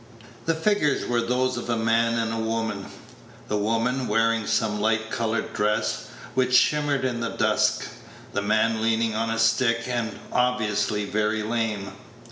The figures were those of a man and woman the woman wearing some light colored dress, which shimmered in the dusk; the man leaning on a stick, and obviously very lame.